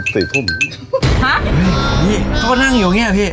เค้าก็นั่งอยู่เงี้ยพี่